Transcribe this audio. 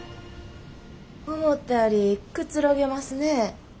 思ったよりくつろげますね。